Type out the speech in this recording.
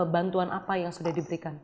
bantuan apa yang sudah diberikan